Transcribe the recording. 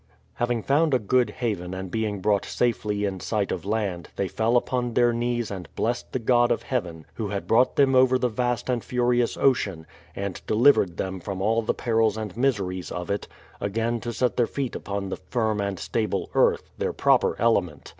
Having found a good haven and being brought safely in sight of land, they fell upon their knees and blessed the God of Heaven who had brought them over the vast and furious ocean, and delivered them from all the perils and miseries of it, again to set their feet upon the firm and stable earth, their proper element.